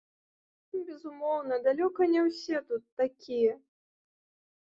Безумоўна, далёка не ўсе тут такія.